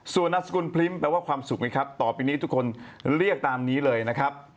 ส่วนนามสกุลพริ้มแปลว่าความสุขไหมครับต่อไปนี้ทุกคนเรียกตามนี้เลยนะครับ